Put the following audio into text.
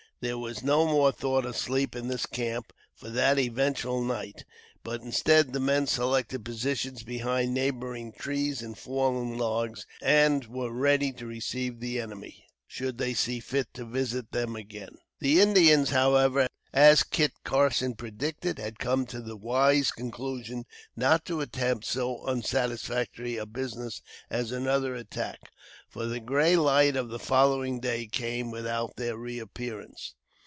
There were no more thoughts of sleep in this camp for that eventful night; but instead, the men selected positions behind neighboring trees and fallen logs, and were ready to receive the enemy should they see fit to visit them again. The Indians, however, as Kit Carson predicted, had come to the wise conclusion not to attempt so unsatisfactory a business as another attack, for the grey light of the following day came without their reappearance.